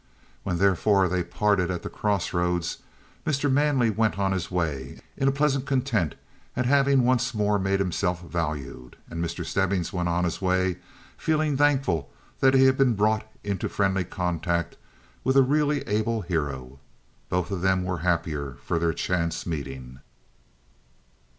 When therefore they parted at the crossroads, Mr. Manley went on his way in a pleasant content at having once more made himself valued; and Mr. Stebbing went on his way feeling thankful that he had been brought into friendly contact with a really able hero. Both of them were the happier for their chance meeting.